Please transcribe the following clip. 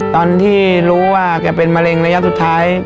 ตอนที่รู้ว่าแกเป็นมะเร็งระยะสุดท้าย